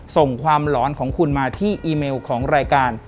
ส่งความหลอนของคุณมาที่อีเมลของรายการ